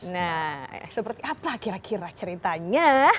nah seperti apa kira kira ceritanya